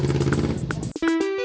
liat gue cabut ya